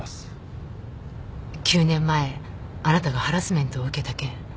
９年前あなたがハラスメントを受けた件。